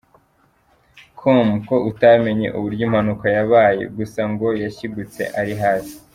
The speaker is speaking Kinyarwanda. com ko atamenye uburyo impanuka yabaye, gusa ngo yashigutse ari hasi.